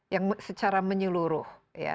yang secara menyeluruh